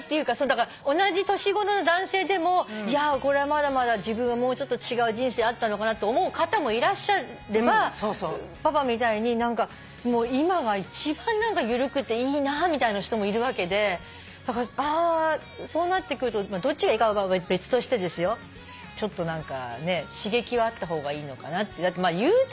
だから同じ年頃の男性でも「いやこれはまだまだ自分はもうちょっと違う人生あったのかな」と思う方もいらっしゃればパパみたいに「今が一番何か緩くていいな」みたいな人もいるわけでそうなってくるとどっちがいいかは別としてですよちょっと何かね刺激はあった方がいいのかなって。